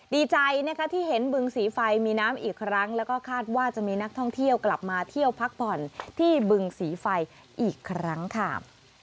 ดีใจนะคะที่เห็นบึงสีไฟมีน้ำอีกครั้งแล้วก็คาดว่าจะมีนักท่องเที่ยวกลับมาเที่ยวพักผ่อนที่บึงสีไฟอีกครั้งค่ะ